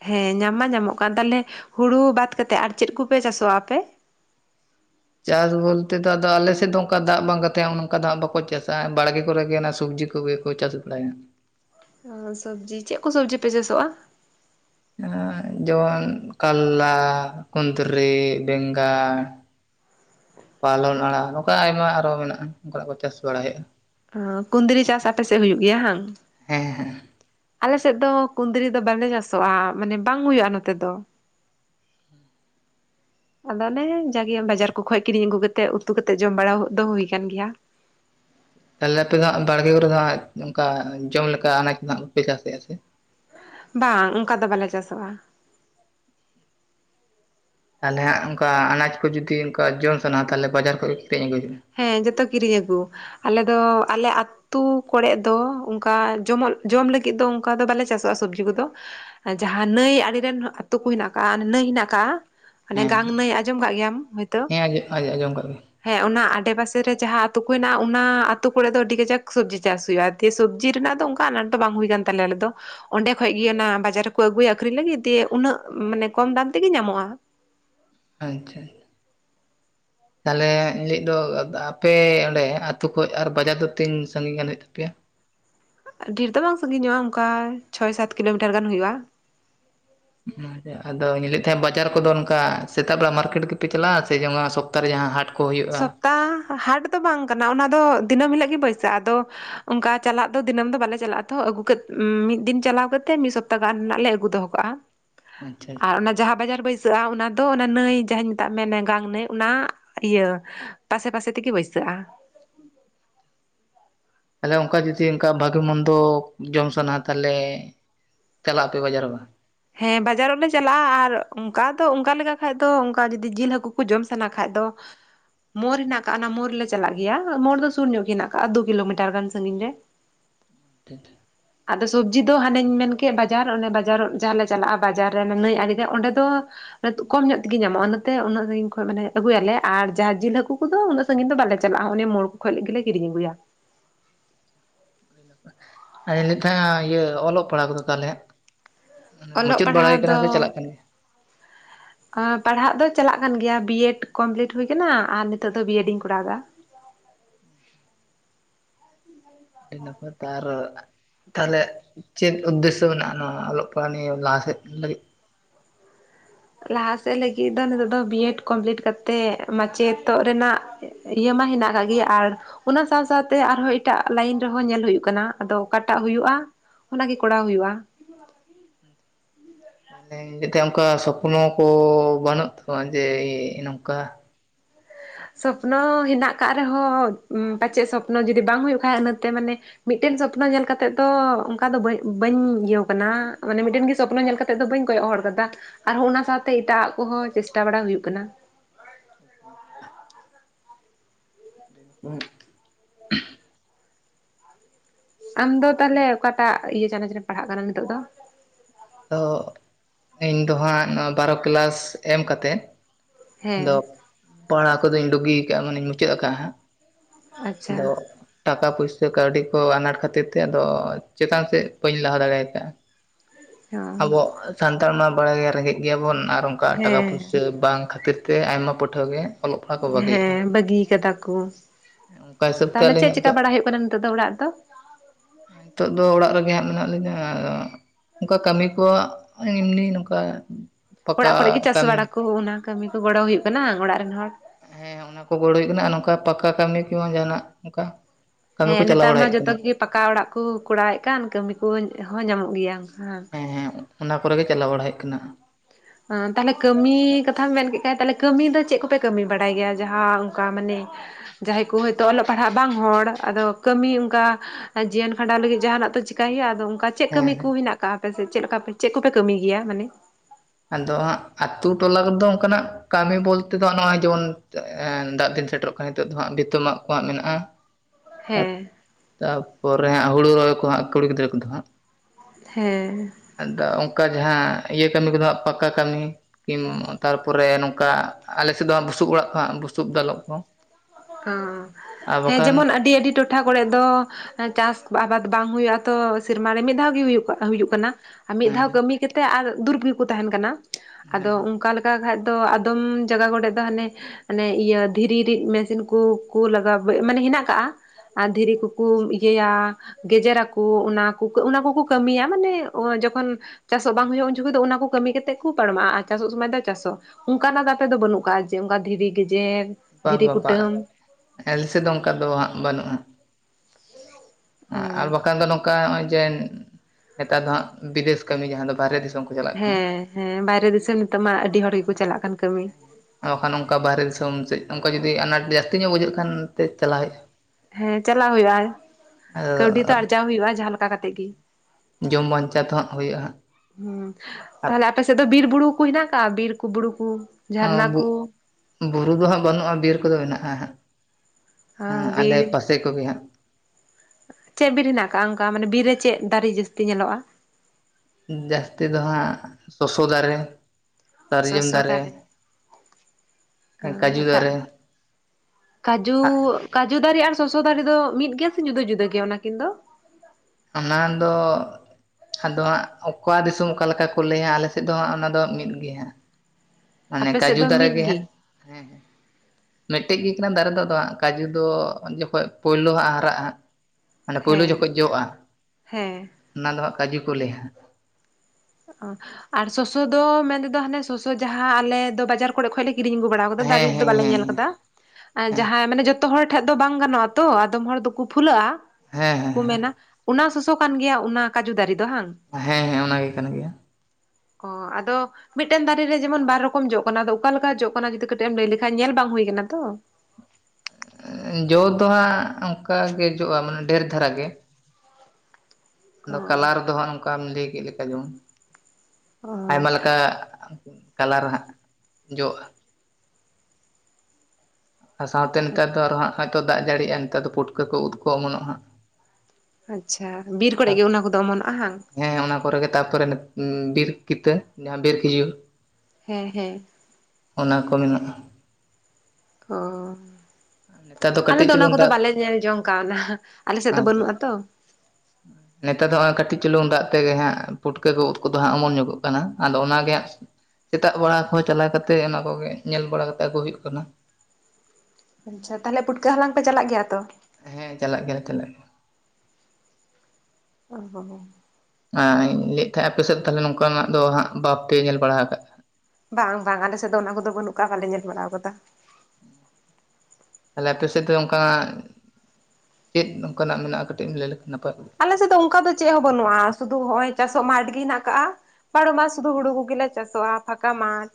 A: ᱦᱮᱸ ᱧᱟᱢ ᱢᱟ ᱧᱟᱢᱚᱜ ᱠᱟᱱ ᱛᱟᱦᱚᱞᱮ ᱦᱩᱲᱩ ᱵᱟᱫ ᱠᱟᱛᱮ ᱟᱨ ᱪᱮᱫ ᱠᱚᱯᱮ ᱪᱟᱥᱚᱜᱼᱟ ᱟᱯᱮ?
B: ᱪᱟᱥ ᱵᱚᱞᱛᱮ ᱫᱚ ᱟᱫᱚ ᱟᱞᱮᱥᱮᱫ ᱫᱚ ᱚᱱᱠᱟ ᱫᱟᱜ ᱵᱟᱝ ᱜᱟᱛᱼᱟ ᱚᱱ ᱚᱱᱠᱟ ᱫᱟᱜ ᱵᱟᱠᱚ ᱪᱟᱥᱟ ᱵᱟᱲᱜᱮ ᱠᱚᱨᱮᱜᱮᱱᱟ ᱥᱚᱵᱽᱡᱤ ᱠᱚᱜᱮ ᱠᱚ ᱪᱟᱥ ᱛᱟᱦᱮᱱ᱾
A: ᱥᱚᱵᱽᱡᱤ ᱪᱮᱫ ᱠᱚ ᱥᱚᱵᱡᱤ ᱯᱮ ᱪᱟᱥᱚᱜᱼᱟ?
B: (unintelligible) ᱡᱮᱢᱚᱱ ᱠᱟᱞᱟ, ᱠᱩᱛᱨᱤ, ᱵᱮᱸᱜᱟᱲ, ᱯᱟᱞᱚᱱ ᱟᱲᱟᱜ ᱱᱚᱝᱠᱟ ᱟᱭᱢᱟ ᱟᱨᱦᱚᱸ ᱢᱮᱱᱟᱜᱼᱟ ᱚᱱᱠᱟᱱᱟᱜ ᱠᱚ ᱪᱟᱥ ᱵᱟᱲᱟᱭᱮᱫᱼᱟ᱾
A: ᱠᱩᱫᱽᱨᱤ ᱪᱟᱥ ᱟᱯᱮᱥᱮᱫ ᱦᱩᱭᱩᱜ ᱜᱮᱭᱟ ᱦᱟᱝ᱾
B: ᱦᱮᱸ ᱦᱮᱸ
A: ᱟᱞᱮ ᱥᱮᱫ ᱫᱚ ᱠᱩᱫᱽᱨᱤ ᱫᱚ ᱵᱟᱞᱮ ᱪᱟᱥᱚᱜᱼᱟ ᱢᱟᱱᱮ ᱵᱟᱝ ᱦᱩᱭᱩᱜᱼᱟ ᱱᱚᱛᱮ ᱫᱚ᱾ (inaudible) ᱟᱫᱚ ᱚᱱᱮ ᱡᱟᱜᱮ ᱵᱟᱡᱟᱨ ᱠᱚ ᱠᱷᱚᱱ ᱠᱤᱨᱤᱧ ᱟᱹᱜᱩ ᱠᱟᱛᱮᱮᱫ ᱩᱛᱩᱛᱮᱫ ᱡᱚᱢ ᱵᱟᱲᱟ ᱫᱚ ᱦᱩᱭ ᱠᱟᱱᱟᱱ ᱜᱮᱭᱟ᱾
B: ᱛᱟᱦᱚᱞᱮ ᱟᱯᱮ ᱫᱚ ᱦᱟᱜ ᱵᱟᱲᱜᱮ ᱠᱚᱨᱮ ᱫᱚ ᱦᱜ ᱚᱱᱠᱟ ᱡᱚᱢ ᱞᱮᱠᱟ ᱟᱱᱟᱡᱽ ᱫᱚ ᱱᱟᱦᱟᱜ ᱵᱟᱯᱮ ᱪᱟᱥᱮᱫᱼᱟ ᱥᱮ?
A: ᱵᱟᱝ ᱚᱱᱠᱟ ᱫᱚ ᱵᱟᱞᱮ ᱪᱟᱥᱚᱜᱼᱟ᱾
B: ᱛᱟᱦᱚᱞᱮ ᱦᱟᱸ ᱚᱱᱠᱟ ᱟᱱᱟᱡᱽ ᱠᱚ ᱡᱩᱫᱤ ᱚᱱᱠᱟ ᱡᱚᱢ ᱥᱟᱱᱟᱚᱜᱣᱟ ᱛᱟᱦᱚᱞᱮ ᱵᱟᱡᱟᱨ ᱠᱷᱚᱡ ᱠᱤᱨᱤᱧ ᱟᱹᱜᱩᱭ ᱦᱩᱭᱩᱜ ᱟ᱾
A: ᱦᱮᱸ ᱡᱚᱛᱚ ᱠᱤᱨᱤᱧ ᱟᱹᱜᱩ ᱟᱞᱮ ᱫᱚ ᱟᱞᱮ ᱟᱹᱛᱩᱳ ᱠᱚᱨᱮᱫ ᱫᱚ ᱚᱱᱠᱟ ᱡᱚᱢᱚᱜ ᱡᱚᱢ ᱞᱟᱹᱜᱤᱫ ᱫᱚ ᱚᱱᱠᱟ ᱫᱚ ᱵᱟᱞᱮ ᱪᱟᱥᱚᱜᱼᱟ ᱥᱚᱵᱽᱡᱤ ᱠᱚᱫᱚ᱾ ᱡᱟᱦᱟᱸ ᱱᱟᱹᱭ ᱟᱲᱮᱨᱮᱱ ᱟᱹᱛᱩᱳ ᱠᱚ ᱦᱮᱱᱟᱜ ᱟᱠᱟᱟᱜᱼᱟ ᱱᱟᱹᱭ ᱦᱮᱱᱟᱜ ᱟᱠᱟᱜᱼᱟ᱾ ᱢᱟᱱᱮ ᱜᱟᱝ ᱱᱟᱹᱭ ᱟᱸᱡᱚᱢ ᱠᱟᱜ ᱜᱮᱭᱟᱢ ᱦᱳᱭᱛᱳ,
B: ᱟᱹᱜᱩᱭ ᱦᱩᱭᱩᱜᱼᱟ ᱦᱮᱸ ᱦᱮᱸ ᱟᱸᱡᱚᱢ ᱟᱸᱡᱚᱢ ᱠᱟᱜ ᱜᱤᱭᱟᱹᱧ
A: ᱦᱮᱸ ᱚᱱᱟ ᱟᱰᱮ ᱯᱟᱥᱮ ᱨᱮ ᱡᱟᱦᱟᱸ ᱟ ᱟᱹᱛᱩ ᱠᱚ ᱦᱮᱱᱟᱜ ᱚᱱᱟ ᱟ ᱟᱹᱛᱩᱳ ᱠᱚᱨᱮᱮᱫ ᱫᱚ ᱟᱹᱰᱤ ᱠᱟᱡᱟᱠ ᱥᱚᱵᱡᱤ ᱪᱟᱥ ᱦᱩᱭᱩᱜᱼᱟ ᱫᱤᱭᱮ ᱥᱚᱵᱽᱡᱤ ᱨᱮᱱᱟᱜ ᱫᱚ ᱚᱱᱠᱟ ᱟᱱᱟᱴ᱾ ᱵᱟᱝ ᱦᱩᱭ ᱠᱟᱱ ᱛᱟᱞᱮ ᱟᱞᱮ ᱫᱚ᱾ ᱚᱸᱰᱮ ᱠᱷᱚᱡ ᱜᱮ ᱚᱱᱟ ᱵᱟᱡᱟᱨ ᱨᱮᱠᱚ ᱟᱹᱜᱩᱭᱟ ᱟᱹᱷᱨᱤᱧ ᱞᱟᱹᱜᱤᱫ ᱫᱤᱭᱮ ᱩᱱᱟᱹᱜ ᱢᱟᱱᱮ ᱠᱚᱢ ᱫᱟᱢ ᱛᱮᱜᱮ ᱧᱟᱢᱚᱜᱼᱟ᱾
B: ᱟᱪᱪᱷᱟ ᱛᱟᱦᱚᱞᱮ ᱤᱧ ᱞᱟᱹᱮᱫ ᱫᱚ (unintelligible) ᱟᱯᱮ ᱚᱸᱰᱮ ᱟᱛ ᱠᱷᱚᱱ ᱟᱨ ᱵᱟᱡᱟᱨ ᱫᱚ ᱛᱤᱧ ᱥᱟᱺᱜᱤᱧ ᱜᱟᱱ ᱦᱩᱭᱩᱜ ᱛᱟᱯᱮᱭᱟ?
A: ᱰᱷᱮᱨ ᱫᱚ ᱵᱟᱝ ᱥᱟᱺᱜᱤᱧ ᱧᱚᱜᱼᱟ ᱚᱱᱠᱟ ᱪᱷᱚᱭ ᱥᱟᱛ ᱠᱤᱞᱳᱢᱤᱴᱟᱨ ᱜᱟᱱ ᱦᱩᱭᱩᱜᱼᱟ᱾
B: (unintelligible) ᱟᱫᱚ ᱧᱮᱞᱟ ᱛᱟᱦᱮᱸᱫ ᱵᱟᱡᱟᱨ ᱠᱚᱫᱚ ᱚᱱᱠᱟ ᱥᱮᱛᱟᱜ ᱵᱮᱲᱟ ᱢᱟᱨᱠᱮᱴ ᱜᱮᱯᱮ ᱪᱟᱞᱟᱜᱼᱟ ᱥᱮ ᱡᱮ ᱥᱚᱯᱛᱟᱦᱚ ᱨᱮ ᱡᱟᱦᱟᱸ ᱦᱟᱴ ᱠᱚ ᱦᱩᱭᱩᱜᱼᱟ᱾
A: ᱛᱟ ᱦᱟᱴ ᱫᱚ ᱵᱟᱝ ᱠᱟᱱᱟ᱾ ᱚᱱᱟ ᱫᱚ ᱫᱤᱱᱟᱹᱢ ᱦᱤᱞᱚᱜ ᱜᱮ ᱵᱟᱹᱭᱥᱟᱹᱜᱼᱟ, ᱟᱫᱚ᱾ ᱚᱱᱠᱟ ᱪᱟᱞᱟᱜ ᱫᱚ ᱫᱤᱱᱟᱹᱢ ᱫᱚ ᱵᱟᱞᱮ ᱪᱟᱞᱟᱜᱼᱟ, ᱛᱚ ᱟᱜᱩ ᱢᱤᱫ ᱫᱤᱱ ᱪᱟᱞᱟᱣ ᱠᱟᱛᱮ ᱢᱤᱫ ᱥᱚᱯ ᱥᱟᱯᱛᱟ ᱜᱟᱱ ᱨᱮᱱᱟᱜ ᱞᱮ ᱟᱹᱜᱩ ᱫᱚᱦᱚ ᱠᱟᱜᱼᱟ᱾
B: ᱟᱪᱪᱷᱟ
A: ᱟᱨ
B: ᱟᱪᱪᱷᱟ
A: ᱚᱱᱟ ᱡᱟᱦᱟᱸ ᱵᱟᱡᱟᱨ ᱨᱮ ᱵᱟᱹᱭᱥᱟᱹᱜᱼᱟ ᱚᱱᱟ ᱫᱚ ᱚᱱᱟ ᱱᱟᱹᱭ ᱡᱟᱦᱟᱸᱧ ᱢᱮᱛᱟᱜᱼᱟ ᱢᱮ ᱜᱟᱝ ᱱᱟᱹᱭ ᱚᱱᱟ᱾ ᱤᱭᱟᱹ ᱯᱟᱥᱮ ᱯᱟᱥᱮ ᱛᱮᱜᱮ ᱵᱟᱹᱭᱥᱟᱹᱜᱼᱟ᱾
B: ᱛᱟᱦᱚᱞᱮ ᱚᱱᱠᱟ ᱡᱩᱚᱫᱤ ᱚᱱᱠᱟ ᱵᱷᱟᱜᱤ ᱢᱚᱱᱫᱚ ᱡᱚᱢ ᱥᱟᱱᱟ ᱛᱟᱦᱚᱞᱮ ᱪᱟᱞᱟᱜ ᱟᱯᱮ ᱵᱟᱡᱟᱨ ᱵᱟᱝ?
A: ᱦᱮᱸ ᱵᱟᱡᱟᱨᱚᱜ ᱞᱮ ᱪᱟᱞᱟᱜᱼᱟ ᱟᱨ ᱚᱱᱠᱟ ᱫᱚ ᱚᱱᱠᱟ ᱞᱮᱠᱟ ᱠᱷᱟᱱ ᱫᱚ ᱚᱱᱠᱟ ᱡᱩᱚᱫᱤ ᱡᱤᱞ ᱦᱟᱹᱠᱩ ᱠᱚ ᱡᱚᱢ ᱥᱟᱱᱟ ᱠᱷᱟᱡ ᱫᱚ ᱢᱳᱨ ᱦᱮᱱᱟᱜ ᱟᱠᱟᱫᱼᱟ ᱢᱳᱨ ᱨᱮᱞᱮ ᱪᱟᱞᱟᱜ ᱜᱮᱭᱟ ᱢᱳᱲ ᱫᱚ ᱥᱩᱨ ᱧᱚᱜ ᱜᱮ ᱦᱮᱱᱟᱜ ᱠᱟᱜᱼᱟ ᱫᱩ ᱠᱤᱞᱳᱢᱤᱴᱟᱨ ᱜᱟᱱ ᱥᱟᱺᱜᱤᱧ ᱨᱮ᱾
B: (inaudible)
A: ᱟᱫᱚ ᱥᱚᱵᱡᱤ ᱫᱚ ᱦᱟᱱᱮᱧ ᱢᱮᱱ ᱠᱮᱫ ᱵᱟᱡᱟᱨ ᱚᱱᱮ ᱵᱟᱡᱟᱨᱚᱜ ᱡᱟᱦᱟᱸᱞ ᱞᱮ ᱪᱟᱞᱟᱜᱼᱟ ᱵᱟᱡᱟᱨ ᱨᱮ ᱱᱟᱹᱭ ᱟᱲᱮᱨᱮ ᱚᱸᱰᱮ ᱫᱚ ᱠᱚᱢ ᱧᱚᱜ ᱛᱮᱜᱮ ᱧᱟᱢᱚᱜᱼᱟ ᱚᱱᱟᱛᱮ ᱩᱱᱟᱹᱜ ᱥᱟᱺᱜᱤᱧ ᱠᱷᱚᱱ ᱢᱟᱱᱮ ᱟᱹᱜᱩᱭᱟᱞᱮ ᱟᱨ ᱡᱟᱦᱟᱸ ᱡᱤᱞ ᱦᱟᱹᱠᱩ ᱠᱚᱫᱚ ᱩᱱᱟᱹᱜ ᱥᱟᱺᱜᱤᱧ ᱫᱚᱞᱮ ᱪᱟᱞᱟᱜᱼᱟ ᱚᱱ ᱢᱳᱲ ᱠᱷᱚᱱ ᱞᱟᱹᱜᱤᱫ ᱜᱮᱞᱮ ᱠᱤᱨᱤᱧ ᱟᱹᱜᱩᱭᱟ᱾
B: ᱟᱫᱚ ᱞᱟᱹᱭ ᱛᱟᱦᱮ ᱤᱭᱟᱹ ᱚᱞᱚᱜ ᱯᱟᱲᱦᱟᱣ ᱠᱚᱫᱚ ᱛᱟᱦᱚᱞᱮ
A: ᱚᱞᱚᱜ
B: ᱢᱩᱪᱟᱹᱫ
A: ᱯᱟᱲᱦᱟᱣ
B: ᱵᱟᱲᱟᱭ
A: ᱫᱚ
B: ᱠᱟᱱᱟ ᱥᱮ ᱪᱟᱞᱟᱜ ᱠᱟᱱ ᱜᱮᱭᱟ?
A: ᱯᱟᱲᱦᱟᱜ ᱫᱚ ᱪᱟᱞᱟᱜ ᱠᱟᱱ ᱜᱮᱭᱟ ᱵᱤᱭᱮᱰ ᱠᱚᱢᱯᱞᱤᱴ ᱦᱩᱭ ᱟᱠᱟᱱᱟ ᱟᱨ ᱱᱤᱛᱚᱜ ᱫᱚ ᱵᱤᱭᱮᱰ ᱤᱧ ᱠᱚᱨᱟᱣᱫᱟ᱾
B: ᱤᱱᱟ ᱯᱚᱨᱮ ᱛᱟᱨ ᱛᱟᱦᱚᱞᱮ ᱪᱮᱫ ᱩᱫᱽᱫᱮᱥᱥᱚ ᱢᱮᱱᱟᱜᱼᱟ, ᱱᱚᱣᱟ ᱚᱞᱚᱜ ᱯᱟᱲᱦᱟᱜ ᱱᱤᱭᱟᱹ ᱞᱟᱦᱟᱥᱮᱫ ᱞᱟᱹᱜᱤᱫ?
A: ᱞᱟᱦᱟᱥᱮᱫ ᱞᱟᱹᱜᱤᱫ ᱫᱚ ᱱᱤᱛᱚᱜ ᱫᱚ ᱵᱤᱭᱮᱰ ᱠᱚᱢᱯᱤᱞᱤᱴ ᱠᱟᱛᱮᱫ ᱢᱟᱪᱮᱫᱚᱜ ᱨᱮᱱᱟᱜ ᱤᱭᱟᱹ ᱢᱟ ᱦᱮᱱᱟᱜ ᱠᱟᱜ ᱜᱮ ᱟᱨ ᱚᱱᱟ ᱥᱟᱶ ᱥᱟᱶᱛᱮ ᱟᱨᱦᱚᱸ ᱮᱴᱟᱜ ᱞᱟᱭᱤᱱ ᱨᱮᱦᱚᱸ ᱧᱮᱞ ᱦᱩᱭᱩᱜ ᱠᱟᱱᱟ ᱟᱫᱚ ᱚᱠᱟᱴᱟᱜ ᱦᱩᱭᱩᱜᱼᱟ᱾ ᱚᱱᱟ ᱜᱮ ᱠᱚᱲᱟᱣ ᱦᱩᱭᱩᱜᱼᱟ᱾
B: ᱢᱟᱱᱮ ᱡᱮᱛᱮ ᱚᱱᱠᱟ ᱥᱚᱯᱱᱚ ᱠᱚ ᱵᱟᱹᱱᱩᱜ ᱛᱟ ᱢᱟᱱᱮ ᱡᱮ ᱱᱚᱝᱠᱟ
A: ᱥᱚᱯᱱᱚ ᱦᱮᱱᱟᱜ ᱠᱟᱜ ᱨᱮᱦᱚᱸ ᱯᱟᱪᱮᱫ ᱥᱚᱯᱱᱚ ᱡᱩᱫᱤ ᱵᱟᱝ ᱦᱩᱭᱩᱜ ᱠᱷᱟᱡ ᱤᱱᱟᱹᱛᱮ ᱢᱟᱱᱮ ᱢᱤᱫᱴᱮᱱ ᱥᱚᱯᱱᱚ ᱧᱮᱞ ᱠᱟᱛᱮᱜ ᱫᱚ ᱚᱱᱠᱟ ᱫᱚ ᱵᱟᱹᱧ ᱤᱭᱟᱹ ᱠᱟᱱᱟ ᱢᱟᱱᱮ ᱢᱤᱫᱴᱮᱱ ᱜᱮ ᱥᱚᱯᱱᱚ ᱧᱮᱞᱛᱜ ᱛᱮᱫ ᱫᱚ ᱵᱟᱹᱧ ᱠᱚᱭᱚᱜ ᱦᱚᱨ ᱟᱠᱟᱫᱟ ᱟᱨᱦᱚᱸ ᱚᱱᱟ ᱥᱟᱶᱛᱮ ᱮᱴᱟᱜᱼᱟᱜ ᱠᱚᱦᱚᱸ ᱪᱮᱥᱴᱟ ᱵᱟᱲᱟ ᱦᱩᱭᱩᱜ ᱠᱟᱱᱟ᱾
B: (inaudible) (unintelligible)
A: ᱟᱢᱫᱚ ᱛᱟᱦᱚᱞᱮ ᱚᱠᱟᱴᱟᱜ ᱤᱭᱟᱹ ᱪᱟᱱᱟᱪ ᱨᱮᱢ ᱯᱟᱲᱦᱟᱜ ᱠᱟᱱᱟ ᱱᱤᱛᱚᱜ ᱫᱚ?
B: ᱛᱚ ᱤᱧ ᱫᱚ ᱦᱟᱸᱜ ᱱᱚᱣᱟ ᱵᱟᱨᱚ ᱠᱤᱞᱟᱥ ᱮᱢ ᱠᱟᱛᱮ
A: ᱦᱮᱸ
B: ᱟᱫᱚ ᱯᱟᱲᱦᱟᱣ ᱠᱚᱫᱚᱧ ᱰᱩᱜᱤ ᱠᱟᱜᱼᱟ ᱢᱟᱱᱮᱧ ᱢᱩᱪᱟᱹᱫ ᱠᱟᱜᱼᱟ ᱦᱟᱸᱜ᱾
A: ᱟᱪᱪᱷᱟ
B: ᱟᱫᱚ ᱴᱟᱠᱟ ᱯᱩᱭᱥᱟᱹ ᱠᱟᱹᱣᱰᱤ ᱠᱚ ᱟᱱᱟᱴ ᱠᱷᱟᱹᱛᱤᱨ ᱛᱮ ᱟᱫᱚ ᱪᱮᱛᱟᱱ ᱥᱮᱫ ᱵᱟᱹᱧ ᱞᱟᱦᱟ ᱫᱟᱲᱮ ᱟᱠᱟᱫᱟᱼᱟ᱾
A: ᱦᱚᱸ
B: ᱟᱵᱚ ᱥᱟᱱᱛᱟᱲ ᱢᱟ ᱵᱟᱲᱟᱭ ᱨᱮᱸᱜᱮᱡ ᱜᱮᱭᱟᱵᱚᱱ ᱟᱨ ᱚᱱᱠᱟ ᱴᱟᱠᱟ
A: ᱦᱮᱸ
B: ᱯᱩᱭᱥᱟᱹ ᱵᱟᱝ ᱠᱷᱟᱹᱛᱤᱨ ᱠᱷᱟᱹᱛᱤᱨ ᱛᱮ ᱟᱭᱢᱟ ᱯᱟᱹᱴᱷᱟᱹᱣ ᱜᱮ ᱚᱞᱚᱜ ᱯᱟᱲᱦᱟᱜ ᱠᱚ ᱵᱟᱹᱜᱤᱭᱮᱫᱼᱟ
A: ᱦᱮᱸ ᱵᱟᱹᱜᱤ ᱠᱟᱫᱟ ᱠᱚ
B: ᱚᱱᱠᱟ ᱦᱤᱥᱟᱹᱵ ᱛᱮ
A: ᱛᱟᱦᱞᱮ ᱪᱮᱫ
B: ᱟᱹᱞᱤᱧᱟᱜ ᱫᱚ
A: ᱪᱮᱠᱟ ᱵᱟᱲᱟᱭ ᱦᱩᱭᱩᱜ ᱠᱟᱱᱟ ᱱᱤᱛᱚᱜ ᱫᱚ ᱚᱲᱟᱜ ᱨᱮᱫᱚ
B: ᱱᱤᱛᱚᱜ ᱫᱚ ᱚᱲᱟᱜ ᱨᱮᱜᱮ ᱦᱟᱸᱜ ᱢᱮᱱᱟᱜ ᱞᱤᱧᱟᱹ ᱱᱚᱝᱠᱟ ᱠᱟᱹᱢᱤ ᱠᱚ ᱮᱢᱱᱤ ᱱᱚᱝᱠᱟ
A: ᱚᱲᱟᱜ
B: ᱯᱟᱠᱟ
A: ᱠᱚᱨᱮ ᱜᱮ ᱪᱟᱥ
B: ᱠᱟᱹᱢᱤ
A: ᱵᱟᱲᱟ ᱠᱚ ᱚᱱᱟ ᱠᱟᱹᱢᱤ ᱠᱚ ᱜᱚᱲᱚ ᱦᱩᱭᱩᱜ ᱠᱟᱱᱟ ᱚᱲᱟᱜ ᱨᱤᱱ ᱦᱚᱲ
B: ᱦᱮᱸ ᱚᱱᱟ ᱠᱚ ᱜᱚᱲ ᱦᱩᱭ ᱠᱟᱱᱟ ᱱᱚᱝᱠᱟ ᱯᱟᱠᱟ ᱠᱟᱹᱢᱤ ᱠᱚ ᱡᱟᱦᱟᱱᱟᱜ ᱱᱚᱝᱠᱟ
A: ᱦᱮᱸ ᱱᱮᱛᱟᱨ ᱢᱟ ᱡᱚᱛᱚ ᱜᱮ ᱯᱟᱠᱟ ᱚᱲᱟᱜ ᱠᱚ ᱠᱚᱨᱟᱣᱮᱫ ᱠᱟᱱ ᱠᱟᱹᱢᱤ ᱠᱚᱦᱚᱸ ᱧᱟᱢᱚᱜ ᱜᱮᱭᱟ ᱦᱮᱸ
B: ᱚᱱᱟ ᱠᱚᱨᱮ ᱜᱮ ᱪᱟᱞᱟᱣ ᱵᱟᱲᱟ ᱦᱩᱭᱩᱜ ᱠᱟᱱᱟ᱾
A: ᱛᱟᱦᱞᱮ ᱠᱟᱹᱢᱤ ᱠᱟᱛᱷᱟᱢ ᱢᱮᱱ ᱠᱮᱫ ᱠᱷᱟ ᱛᱟᱦᱞᱮ ᱠᱟᱹᱢᱤ ᱫᱚ ᱪᱮᱫ ᱠᱚᱯᱮ ᱠᱟᱹᱢᱤ ᱵᱟᱲᱟᱭ ᱜᱮᱭᱟ ᱡᱟᱦᱟᱸ ᱚᱱᱠᱟ ᱢᱟᱱᱮ ᱡᱟᱦᱟᱸᱭ ᱠᱚ ᱦᱚᱭ ᱛᱚ ᱚᱞᱚᱜ ᱯᱟᱲᱦᱟᱜ ᱵᱟᱝ ᱦᱚᱲ ᱟᱫᱚ ᱠᱟᱹᱢᱤ ᱚᱱᱠᱟ ᱡᱤᱭᱚᱱ ᱠᱷᱟᱸᱰᱟᱣ ᱞᱟᱹᱜᱤᱫ ᱡᱟᱦᱟᱱᱟᱜ ᱛᱚ ᱪᱤᱠᱟ ᱦᱩᱭᱩᱜᱼᱟ ᱟᱫᱚ ᱚᱱᱠᱟ ᱪᱮᱫ ᱠᱟᱹᱢᱤ
B: ᱦᱮᱸ
A: ᱠᱚ
B: ᱦᱮᱸ
A: ᱦᱮᱱᱟᱜ ᱟᱠᱟᱜᱼᱟ ᱟᱯᱮ ᱥᱮ ᱪᱮᱫ ᱞᱮᱠᱟᱯᱮ ᱪᱮᱫ ᱠᱚᱯᱮ ᱠᱟᱹᱢᱤ ᱜᱮᱭᱟ ᱢᱟᱱᱮ
B: ᱟᱫᱚ ᱟᱹᱛᱩ ᱴᱚᱞᱟ ᱨᱮᱫᱚ ᱚᱱᱠᱟᱱᱟᱜ ᱠᱟᱹᱢᱤ ᱵᱚᱞᱛᱮ ᱫᱚᱜ ᱱᱚᱜᱼᱚᱭ ᱡᱮᱢᱚᱱ ᱫᱟᱜ ᱫᱤᱱ ᱥᱮᱴᱮᱨᱚᱜ ᱠᱟᱱᱟ ᱠᱟ ᱱᱤᱛᱚᱜ ᱫᱚ ᱦᱚᱭ ᱵᱤᱛᱚᱢᱟᱜ ᱠᱚᱣᱟᱜ ᱢᱮᱱᱟᱜᱼᱟ᱾
A: ᱦᱮᱸ
B: ᱛᱟᱨᱯᱚᱨᱮ ᱦᱟᱸᱜ ᱦᱩᱲᱩ ᱨᱚᱦᱚᱭ ᱠᱚ ᱦᱟᱸᱜ ᱠᱩᱲᱤ ᱜᱤᱫᱽᱨᱟᱹ ᱠᱚᱫᱚ ᱦᱟᱸᱜ
A: ᱦᱮᱸ
B: ᱟᱫᱚ ᱚᱱᱠᱟ ᱡᱟᱦᱟᱸ ᱤᱭᱟᱹ ᱠᱟᱹᱢᱤ ᱠᱚᱫᱚᱜ ᱯᱟᱠᱟ ᱠᱟᱹᱢᱤ ᱠᱤᱢ ᱛᱟᱨᱯᱚᱨᱮ ᱱᱚᱝᱠᱟ ᱟᱞᱮ ᱥᱮᱫ ᱫᱚ ᱵᱩᱥᱩᱵ ᱚᱲᱟᱜ ᱠᱚᱟᱸ ᱵᱩᱺᱥᱩᱵ ᱫᱟᱞᱚᱜ ᱠᱚ
A: ᱚ
B: ᱟᱨ
A: ᱦᱮᱸ
B: ᱵᱟᱠᱷᱟᱱ
A: ᱡᱮᱢᱚᱱ ᱟᱹᱰᱤ ᱟᱹᱰᱤ ᱴᱚᱴᱟ ᱴᱚᱴᱷᱟ ᱠᱚᱨᱮ ᱫᱚ ᱪᱟᱥ ᱟᱵᱟᱫᱽ ᱵᱟᱝ ᱦᱩᱭᱩᱜᱼᱟ ᱛᱚ ᱥᱮᱨᱢᱟᱨᱮ ᱨᱮ ᱢᱤᱫ ᱫᱷᱟᱣ ᱜᱮ ᱦᱩᱭᱩᱜ ᱠᱟᱱᱟ᱾ ᱟᱨ ᱢᱤᱫ ᱫᱷᱟᱣ
B: ᱦᱮᱸ
A: ᱠᱟᱹᱢᱤ ᱠᱟᱛᱮᱫ ᱟᱨ ᱫᱩᱨᱵᱚ ᱨᱮᱜᱮ ᱠᱚ ᱛᱟᱦᱮᱱ ᱠᱟᱱᱟ ᱟᱫᱚ
B: ᱦᱮᱸ
A: ᱚᱱᱠᱟ ᱞᱮᱠᱟ ᱚᱱᱠᱟ ᱠᱷᱟᱱ ᱫᱚ ᱟᱫᱚᱢ ᱡᱟᱜᱟ ᱠᱚᱨᱮ ᱫᱚ ᱦᱟᱱᱮ ᱦᱟᱱᱮ ᱤᱭᱟᱹ ᱫᱷᱤᱨᱤ ᱨᱤᱫ ᱢᱮᱥᱤᱱ ᱥᱮ ᱱᱩᱠᱩ ᱠᱚ ᱞᱟᱜᱟᱣ ᱢᱟᱱᱮ ᱦᱮᱱᱟᱜ ᱠᱟᱜᱼᱟ ᱟᱨ ᱫᱷᱤᱨᱤ ᱠᱚᱠᱚ ᱤᱭᱟᱹᱭᱟ ᱜᱮᱡᱮᱨ ᱟᱠᱚ ᱚᱱᱟ ᱠᱚ ᱚᱱᱟ ᱠᱚᱠᱚ ᱠᱟᱹᱢᱤᱭᱟ ᱢᱟᱱᱮ ᱡᱚᱠᱷᱚᱱ ᱪᱟᱥᱚᱜ ᱵᱟᱝ ᱦᱩᱭᱩᱜᱼᱟ ᱩᱱ ᱡᱚᱠᱷᱚᱱ ᱫᱚ ᱚᱱᱟ ᱠᱚ ᱠᱟᱹᱢᱤ ᱠᱟ ᱠᱟᱛᱮᱫ ᱠᱚ ᱯᱟᱲᱚᱢᱟᱜᱼᱟ᱾ ᱪᱟᱥᱚᱜ ᱥᱚᱢᱚᱭ ᱫᱚ ᱪᱟᱥᱚᱜ ᱚᱱᱠᱟᱱᱟᱜ ᱫᱚ ᱯᱮ ᱥᱮᱫ ᱫᱚ ᱵᱟᱹᱱᱩᱜ ᱟᱠᱟᱫᱟ ᱡᱮ ᱚᱱᱠᱟ ᱫᱷᱤᱨᱤ ᱡᱮ
B: ᱵᱟ ᱵᱟᱵᱟ ᱟᱞᱮ ᱥᱮᱫ ᱫᱚ ᱚᱱᱠᱟ ᱫᱚ ᱦᱟᱸᱜ ᱵᱟᱹᱱᱩᱜᱼᱟ᱾
A: ᱚ
B: ᱟᱨ ᱵᱟᱠᱷᱟᱱ ᱫᱚ ᱱᱚᱝᱠᱟ ᱱᱚᱜᱼᱚᱭ ᱡᱮ ᱱᱮᱛᱟᱨ ᱫᱚ ᱦᱟᱸᱜ ᱵᱤᱫᱮᱥ ᱠᱟᱹᱢᱤ ᱡᱟᱦᱟᱸ ᱫᱚ ᱵᱟᱨᱦᱮ ᱫᱤᱥᱚᱢ ᱠᱷᱚᱱ
A: ᱦᱮᱸ ᱦᱮᱸ ᱵᱟᱭᱨᱮ ᱫᱤᱥᱚᱢ ᱱᱤᱛᱚᱜ ᱢᱟ ᱟᱹᱰᱤ ᱦᱚᱲ ᱜᱮᱠᱚ ᱪᱟᱞᱟᱜ ᱠᱟᱱ ᱠᱟᱹᱢᱤ
B: ᱵᱟᱠᱷᱟᱱ ᱚᱱᱠᱟ ᱵᱟᱦᱦᱨᱮ ᱫᱤᱥᱚᱢ ᱥᱮᱫ ᱚᱱᱠᱟ ᱡᱩᱫᱤ ᱟᱱᱟᱴ ᱡᱟᱹᱥᱛᱤ ᱧᱚᱜ ᱵᱩᱡᱷᱟᱹᱜ ᱠᱷᱟᱱᱛᱮ ᱪᱟᱞᱟᱣ ᱦᱩᱭᱩᱜᱼᱟ
A: ᱦᱮᱸ ᱪᱟᱞᱟᱜᱣ ᱦᱩᱭᱩᱜᱼᱟ
B: ᱦᱩᱭᱩᱜᱼᱟ
A: ᱠᱟᱹᱣᱰᱤ ᱛᱚ
B: ᱟᱫᱚ
A: ᱟᱨᱡᱟᱣ ᱦᱩᱭᱩᱜᱼᱟ ᱡᱟᱦᱟᱸᱟᱸ ᱞᱮᱠᱟ ᱠᱟᱛᱮᱜ ᱜᱮ
B: ᱡᱚᱢ ᱵᱟᱧᱪᱟᱣ ᱫᱚᱦᱟᱸᱜ ᱦᱩᱭᱩᱜᱼᱟ
A: ᱦᱮᱸ
B: ᱟᱨ
A: ᱛᱟᱦᱞᱮ ᱟᱯᱮ ᱥᱮᱫ ᱫᱚ ᱵᱤᱨ ᱵᱩᱨᱩ ᱠᱚ ᱦᱮᱱᱟᱜ ᱠᱟᱜᱼᱟ ᱵᱤᱨ ᱠᱚ ᱵᱩᱨᱩ ᱠᱚ ᱡᱷᱟᱨᱱᱟ
B: ᱵᱩ
A: ᱠᱚ
B: ᱵᱩᱨᱩ ᱫᱚ ᱦᱟᱸᱜ ᱵᱟᱹᱱᱩᱜᱼᱟ ᱵᱤᱨ ᱠᱚᱫᱚ ᱢᱮᱱᱟᱜᱼᱟ ᱦᱟᱸᱜ ᱟᱸ ᱟᱞᱮ
A: ᱵᱤᱨ
B: ᱯᱟᱥᱮ ᱠᱚᱜᱮ ᱦᱟᱜ
A: ᱪᱮᱫ ᱵᱤᱨ ᱦᱮᱱᱟᱜ ᱟᱠᱟᱜᱼᱟ ᱚᱱᱠᱟ ᱢᱟᱱᱮ ᱵᱤᱨ ᱨᱮ ᱪᱮᱫ ᱫᱟᱨᱮ ᱡᱟᱹᱥᱛᱤ ᱧᱮᱞᱚᱜᱼᱟ
B: ᱡᱟᱹᱥᱛᱤ ᱫᱚ ᱦᱟᱸᱜ ᱥᱚᱥᱚ ᱫᱟᱨᱮ ᱥᱟᱨᱡᱚᱢ ᱫᱟᱨᱮ ᱠᱟᱡᱩ ᱫᱟᱨᱮ
A: ᱠᱟᱡᱩ ᱠᱟᱡᱩ ᱫᱟᱨᱮ ᱟᱨ ᱥᱚᱥᱚ ᱫᱟᱨᱮ ᱫᱚ ᱢᱤᱫ ᱜᱮᱭᱟ ᱥᱮ ᱡᱩᱫᱟᱹ ᱡᱩᱫᱟᱹ ᱜᱮᱭᱟ ᱚᱱᱟ ᱠᱤᱱ ᱫᱚ
B: ᱚᱱᱟ ᱫᱚ ᱟᱫᱚ ᱦᱟᱸᱜ ᱚᱠᱟ ᱫᱤᱥᱚᱢ ᱚᱠᱟ ᱞᱮᱠᱟ ᱠᱚ ᱞᱟᱹᱭᱟ ᱟᱞᱮ ᱥᱮᱫ ᱫᱚ ᱦᱟᱸᱜ ᱚᱱᱟ ᱫᱚ ᱢᱤᱫ ᱜᱮ ᱦᱟᱸᱜ ᱢᱟᱱᱮ
A: ᱟᱯᱮ ᱥᱮᱫ
B: ᱠᱟᱡᱩ
A: ᱫᱚ
B: ᱫᱟᱨᱟ
A: ᱢᱤᱫ
B: ᱜᱮ ᱦᱟᱸᱜ ᱦᱮᱸ ᱢᱤᱫᱴᱮᱡ ᱜᱮ ᱠᱟᱱᱟ ᱫᱟᱨᱮ ᱫᱚ ᱟᱫᱚ ᱦᱟᱸᱜ ᱠᱟᱡᱩ ᱫᱚ ᱡᱚᱠᱷᱚᱱ ᱯᱳᱭᱞᱳ ᱦᱟᱸᱜ ᱦᱟᱨᱟᱜᱼᱟ ᱢᱟᱱᱮ ᱯᱳᱭᱞᱳ
A: ᱦᱮᱸ
B: ᱡᱚᱠᱷᱚᱱ ᱡᱚᱜᱼᱟ
A: ᱦᱮᱸ
B: ᱚᱱᱟ ᱫᱚ ᱦᱟᱸᱜ ᱠᱟᱹᱡᱩ ᱠᱚ ᱞᱟᱹᱭᱟ
A: ᱟᱨ ᱥᱚᱥᱚ ᱫᱚ ᱢᱮᱱᱛᱮᱫᱚ ᱦᱟᱱᱮ ᱥᱚᱥᱚ ᱡᱟᱦᱟᱸ ᱟᱞᱮ ᱫᱚ ᱵᱟᱡᱟᱨ ᱠᱚᱨᱮ ᱠᱷᱚᱱᱚᱡ ᱞᱮᱮ ᱠᱤᱨᱤᱧ ᱟᱹᱜᱩ ᱵᱟᱲᱟ ᱟᱠᱟᱫᱟ ᱫᱟᱨᱮ
B: ᱦᱟᱸᱜ᱾
A: ᱨᱮᱫᱚ
B: ᱦᱮᱸ
A: ᱵᱟᱞᱮ
B: ᱦᱮᱸ
A: ᱧᱮᱞ ᱟᱠᱟᱫᱟ
B: ᱦᱮᱸ
A: ᱡᱟᱦᱟᱸᱭ ᱢᱟᱱᱮ ᱡᱚᱛᱚ ᱦᱚᱲ ᱴᱷᱮᱡ ᱫᱚ ᱵᱟᱝ ᱜᱟᱱᱚᱜᱼᱟ ᱛᱚ ᱟᱫᱚᱢ ᱦᱚᱲ ᱫᱚᱠᱚ ᱯᱷᱩᱞᱟᱹᱜᱼᱟ
B: ᱦᱮᱸ ᱦᱮᱸ ᱦᱮᱸ
A: ᱠᱚ ᱢᱮᱱᱟ ᱚᱱᱟ ᱥᱚᱥᱚ ᱠᱟᱱ ᱜᱮᱭᱟ ᱚᱱᱟ ᱠᱟᱡᱩ ᱫᱟᱨᱮ ᱫᱚ ᱵᱟᱝᱟᱝ
B: ᱦᱮᱸ ᱦᱮᱸ ᱚᱱᱟᱜᱮ ᱠᱟᱱ ᱜᱮᱭᱟ
A: ᱚ ᱟᱫᱚ ᱢᱤᱫᱴᱮᱱ ᱫᱟᱨᱮ ᱨᱮ ᱡᱮᱢᱚᱱ ᱵᱟᱨ ᱨᱚᱠᱚᱢ ᱡᱚᱜ ᱠᱟᱱᱟᱫᱚ ᱚᱠᱟ ᱞᱮᱠᱟ ᱡᱚᱜ ᱠᱟᱱᱟ ᱡᱩᱚᱫᱤ ᱠᱟᱹᱴᱤᱡ ᱮᱢ ᱞᱟᱹᱭ ᱞᱮᱠᱷᱟᱱᱡ ᱧᱮᱞ ᱵᱟᱝ ᱦᱩᱭᱟᱱᱟ ᱛᱚ
B: ᱡᱚ ᱫᱚ ᱦᱟᱸᱜ ᱚᱱᱠᱟᱜᱮ ᱡᱚᱜᱼᱟ ᱢᱟᱱᱮ ᱰᱷᱮᱨ ᱫᱷᱟᱨᱟ ᱜᱮ ᱟᱫᱚ ᱠᱟᱞᱟᱨ ᱫᱚ ᱦᱟᱸᱜ ᱱᱚᱝᱠᱟᱢ ᱞᱟᱹᱭ ᱠᱮᱫ ᱞᱮᱠᱟ ᱡᱚᱝ
A: ᱚ
B: ᱟᱭᱢᱟ ᱞᱮᱠᱟ ᱠᱟᱞᱟᱨ ᱦᱟᱸᱜ ᱡᱚᱜᱼᱟ ᱟᱨ ᱥᱟᱶᱛᱮ ᱱᱮᱛᱟᱨ ᱫᱚ ᱟᱨᱦᱟᱸᱜ ᱦᱚᱭᱛᱚ ᱫᱟᱜ ᱡᱟᱹᱲᱤᱜᱼᱟ ᱱᱮᱛᱟᱨ ᱫᱚ ᱯᱩᱴᱠᱟᱹ ᱠᱚ ᱩᱫ ᱠᱚᱣᱟ ᱚᱢᱚᱱᱚᱜ ᱦᱟᱸᱜ
A: ᱟᱪᱪᱷᱟ ᱵᱤᱨ ᱠᱚᱨᱮ ᱜᱮ ᱚᱱᱟ ᱠᱚᱫᱚ ᱚᱢᱚᱱᱚᱜᱼᱟ ᱵᱟᱝ
B: ᱦᱮᱸ ᱚᱱᱟ ᱠᱚᱨᱮ ᱜᱮ ᱛᱟᱯᱚᱨᱮ ᱵᱤᱨ ᱠᱤᱛᱟᱹ ᱡᱟᱦᱟᱸ ᱵᱤᱨ ᱠᱷᱤᱡᱩᱨ
A: ᱦᱮᱸ ᱦᱮᱸ
B: ᱚᱱᱟ ᱠᱚ ᱢᱮᱱᱟᱜᱼᱟ
A: (unintelligible)
B: ᱱᱮᱛᱟᱨ
A: ᱟᱞᱮ
B: ᱠᱟᱹᱴᱤᱡ
A: ᱫᱚ ᱚᱱᱟ
B: ᱪᱩᱞᱩᱝ
A: ᱠᱚᱫᱚ
B: ᱫᱟᱜ
A: ᱵᱟᱞᱮ ᱧᱮᱞ ᱡᱚᱝ ᱠᱟᱣᱱᱟ ᱟᱞᱮ ᱥᱮᱫ ᱫᱚ
B: ᱟᱪᱪᱷᱟ
A: ᱵᱟᱹᱱᱩᱜ ᱟᱛᱚ
B: ᱱᱮᱛᱟᱨ ᱫᱚ ᱦᱚᱸᱜᱼᱚᱭ ᱠᱟᱹᱴᱤᱡ ᱪᱩᱞᱩᱝ ᱫᱟᱜ ᱛᱮᱜᱮ ᱦᱟᱸᱜ ᱯᱩᱴᱠᱟᱹ ᱠᱚ ᱩᱫ ᱠᱚᱫᱚ ᱦᱟᱸᱜ ᱚᱢᱚᱱ ᱧᱚᱜᱚᱜ ᱠᱟᱱᱟ ᱟᱫᱚ ᱚᱱᱟᱜᱮ ᱦᱟᱸᱜ ᱥᱮᱛᱟᱜ ᱵᱮᱲᱟ ᱠᱚ ᱪᱟᱞᱟᱣ ᱠᱟᱛᱮ ᱚᱱᱟ ᱠᱚᱜᱮ ᱧᱮᱞ ᱵᱟᱲᱟ ᱠᱟᱛᱮ ᱟᱹᱜᱩ ᱦᱩᱭᱩᱜ ᱠᱟᱱᱟ
A: ᱟᱪᱷᱟ ᱛᱟᱦᱚᱞᱮ ᱯᱩᱴᱠᱟᱹ ᱦᱟᱞᱟᱝ ᱯᱮ ᱪᱟᱞᱟᱜ ᱜᱮᱭᱟ ᱛᱚ
B: ᱦᱮᱸ ᱪᱟᱞᱟᱜ ᱜᱮᱭᱟ (inaudible)
A: (inaudible)
B: ᱟᱨ ᱞᱟᱹᱭᱮᱫ ᱛᱟᱦᱮᱸᱫ ᱟᱯᱮ ᱥᱮᱫ ᱛᱟᱦᱚᱞᱮ ᱱᱚᱝᱠᱟᱱᱟᱜ ᱫᱚ ᱦᱟᱸᱜ ᱵᱟᱯᱮ ᱧᱮᱞ ᱵᱟᱲᱟ ᱟᱠᱟᱜ
A: ᱵᱟᱝ ᱵᱟᱝ ᱟᱞᱮ ᱥᱮᱫ ᱫᱚ ᱚᱱᱟ ᱠᱚᱫᱚ ᱵᱟᱹᱱᱩᱜ ᱟᱠᱟᱜ, ᱵᱟᱞᱮ ᱧᱮᱞ ᱵᱟᱲᱟ ᱟᱠᱟᱫᱟ ᱾
B: ᱛᱟᱦᱚᱞᱮ ᱟᱯᱮ ᱥᱮᱫ ᱫᱚ ᱚᱱᱠᱟᱱᱟᱜ ᱪᱮᱫ ᱚᱱᱠᱟᱱᱟᱜ ᱢᱮᱱᱟᱜᱼᱟ ᱠᱟᱹᱴᱤᱡ ᱮᱢ ᱞᱟᱹᱭ ᱞᱮᱠᱷᱟᱱ ᱱᱟᱯᱟᱭᱼᱟ
A: ᱟᱞᱮᱥᱮᱫ ᱫᱚ ᱚᱱᱠᱟ ᱫᱚ ᱪᱮᱫ ᱦᱚᱸ ᱵᱟᱹᱱᱩᱜᱼᱟ ᱥᱩᱫᱩ ᱱᱚᱜ ᱪᱟᱥ ᱢᱟ ᱟᱴ ᱜᱮ ᱦᱮᱱᱟᱜ ᱟᱠᱟᱜᱼᱟ ᱯᱟᱲᱚᱢᱟᱥ ᱥᱩᱫᱷᱩ ᱦᱩᱲᱩ ᱠᱚᱜᱮᱞᱮ ᱪᱟᱥᱚᱜᱼᱟ ᱯᱷᱟᱸᱠᱟ ᱢᱟᱴ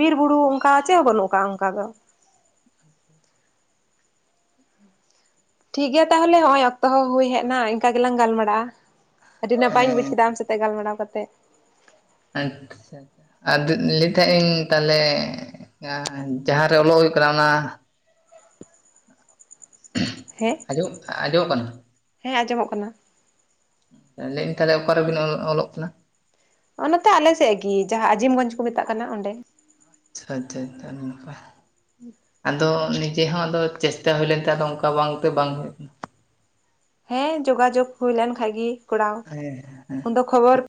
A: ᱵᱤᱨ ᱵᱩᱨᱩ ᱚᱱᱠᱟ ᱪᱮᱫ ᱦᱚᱸ ᱵᱟᱹᱱᱩᱜ ᱟᱠᱟᱜ ᱚᱱᱠᱟ ᱫᱚ ᱴᱷᱤᱠᱜᱮᱭᱟ ᱛᱟᱦᱚᱞᱮ ᱱᱚᱜ ᱚᱭ ᱚᱠᱛᱚ ᱦᱚᱸ ᱦᱩᱭ ᱦᱮᱡ ᱮᱱᱟ ᱤᱱᱠᱟ ᱜᱮᱞᱟᱝ ᱜᱟᱞᱢᱟᱨᱟᱜᱼᱟ ᱟᱹᱰᱤ ᱱᱟᱯᱟᱭᱤᱧ ᱵᱩᱡ
B: ᱦᱮᱸ
A: ᱠᱮᱫᱟ ᱟᱢ ᱥᱟᱛᱮᱜ ᱜᱟᱞᱢᱟᱨᱟᱣ ᱠᱟᱛᱮ
B: ᱟᱪᱪᱷᱟ ᱟᱪᱪᱷᱟ ᱞᱟᱹᱭ ᱛᱟᱦᱮᱸᱫ ᱛᱟᱦᱚᱞᱮ ᱡᱟᱦᱟᱸᱨᱮ ᱚᱞᱚᱜ ᱦᱩᱭᱩᱜ ᱠᱟᱱᱟ ᱚᱱᱟ
A: ᱦᱮᱸ
B: ᱟᱡᱚᱜ ᱟᱡᱚᱢᱚᱜ ᱠᱟᱱᱟ
A: ᱦᱮᱸ ᱟᱸᱡᱚᱢᱚᱜ ᱠᱟᱱᱟ
B: ᱞᱟᱹᱭᱮᱤᱧ ᱛᱟᱦᱚᱞᱮ ᱚᱠᱟᱨᱮᱵᱤᱱ ᱚᱞᱚᱜ ᱠᱟᱱᱟ
A: ᱚᱱᱟᱛᱮ ᱟᱞᱮ ᱥᱮᱫ ᱜᱤ ᱡᱟᱦᱟᱸ ᱟᱡᱤᱢᱜᱚᱡᱽ ᱠᱚ ᱢᱮᱛᱟᱜ ᱠᱟᱱᱟ ᱚᱸᱰᱮ᱾
B: ᱟᱪᱪᱷᱟ ᱟᱪᱪᱷᱟ ᱱᱟᱯᱟᱭ᱾
A: ᱦᱮᱸ
B: ᱟᱫᱚ ᱱᱤᱡᱮ ᱦᱚᱸ ᱟᱫᱚ ᱪᱮᱥᱴᱟ ᱦᱩᱭ ᱞᱮᱱᱛᱮ ᱟᱫᱚ ᱚᱱᱠᱟ ᱵᱟᱝᱛᱮ ᱵᱟᱝ ᱦᱩᱭᱩᱜ ᱠᱟᱱᱟ ᱾
A: ᱦᱮᱸ ᱡᱳᱜᱟᱡᱳᱜ ᱦᱩᱭ ᱞᱮᱱ ᱠᱷᱟᱡ ᱜᱮ ᱠᱚᱨᱟᱣ
B: ᱦᱮᱸ ᱦᱮᱸ
A: ᱩᱱᱫᱚ
B: ᱴᱷᱤᱠ
A: ᱠᱷᱚᱵᱚᱨ